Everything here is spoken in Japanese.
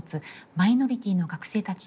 マイノリティーの学生たち。